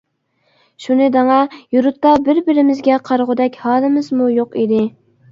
— شۇنى دەڭا، يۇرتتا بىر-بىرىمىزگە قارىغۇدەك ھالىمىزمۇ يوق ئىدى.